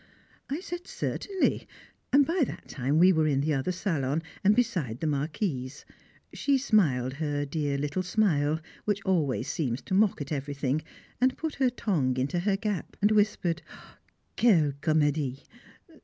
I said Certainly, and by that time we were in the other salon, and beside the Marquise. She smiled her dear little smile, which always seems to mock at everything, and put her tongue into her gap and whispered: "Quelle comédie!